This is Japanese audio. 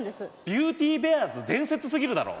ビューティーベアーズ伝説すぎるだろ！